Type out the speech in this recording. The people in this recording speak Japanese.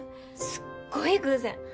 すっごい偶然。